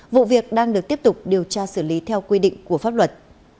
vụ việc đang được tiếp tục điều tra xử lý theo quy định của pháp luật